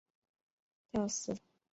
吊丝竹为禾本科牡竹属下的一个种。